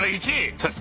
そうです。